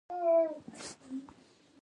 موږ کره ميلمانه راغلل.